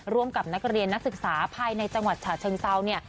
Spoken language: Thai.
ร่วมกับนักเรียนนักศึกษาภายในจังหวัดฉะเชิงเซาเนี่ย